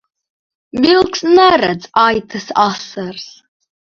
Vilks neredz aitas asaras.